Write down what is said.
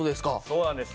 そうなんです。